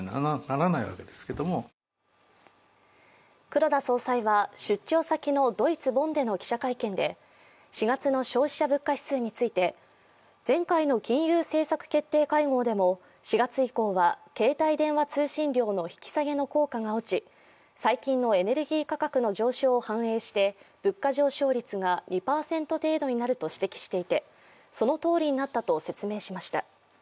黒田総裁は出張先のドイツ・ボンでの記者会見で４月の消費者物価指数について前回の金融政策決定会合でも４月以降は携帯電話通信料の引き下げの効果が落ち、最近のエネルギー価格の上昇を反映して物価上昇率が２％程度になると指摘していてそのとおりになったと説明しました。